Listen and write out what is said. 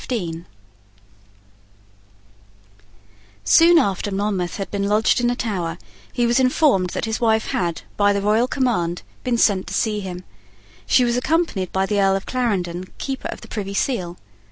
Soon after Monmouth had been lodged in the Tower, he was informed that his wife had, by the royal command, been sent to see him. She was accompanied by the Earl of Clarendon, Keeper of the Privy Seal.